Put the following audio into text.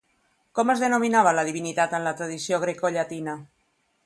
Com es denominava la divinitat en la tradició grecollatina?